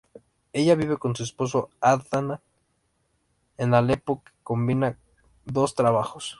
Ella vive con su esposo Adnan en Alepo, que combina dos trabajos.